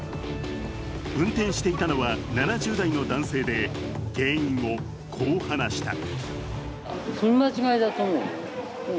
運転していたのは７０代の男性で、原因をこう話した。